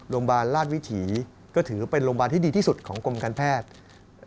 โรงพยาบาลราชวิถีก็ถือเป็นโรงพยาบาลที่ดีที่สุดของกรมการแพทย์